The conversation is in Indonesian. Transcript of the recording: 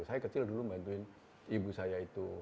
saya kecil dulu bantuin ibu saya itu